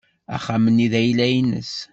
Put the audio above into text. Axxam-nni d ayla-nnes.